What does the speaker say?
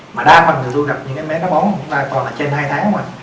mà đa phần người tôi gặp những em bé táo bón của chúng ta còn là trên hai tháng mà